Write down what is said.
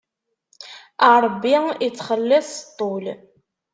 Ṛebbi ittxelliṣ s ṭṭul.